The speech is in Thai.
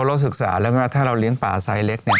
เราศึกษาแล้วว่าถ้าเราเลี้ยงป่าไซสเล็กเนี่ย